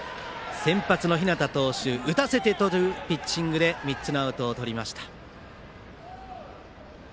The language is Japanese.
先発の日當投手打たせてとるピッチングで３つのアウトをとりました。